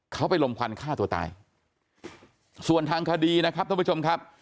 เขาไปลมควันฆ่าตัวตายส่วนทางคดีนะครับท่านผู้ชมครับ